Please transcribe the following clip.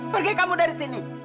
pergi kamu dari sini